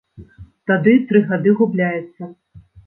Тады тры гады губляецца!